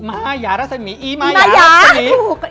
มายารัสมีอีมายารัสมีมายารัสมีถูก